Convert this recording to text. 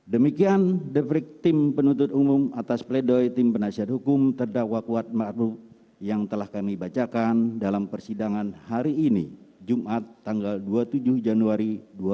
demikian defrik tim penuntut umum atas pledoi tim penasihat hukum terdakwa kuat ⁇ maruf ⁇ yang telah kami bacakan dalam persidangan hari ini jumat tanggal dua puluh tujuh januari dua ribu dua puluh